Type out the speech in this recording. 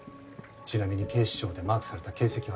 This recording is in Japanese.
ちなみに警視庁でマークされた形跡はありません。